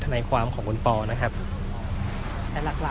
ไม่ใช่นี่คือบ้านของคนที่เคยดื่มอยู่หรือเปล่า